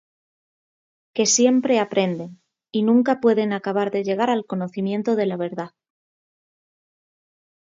Que siempre aprenden, y nunca pueden acabar de llegar al conocimiento de la verdad.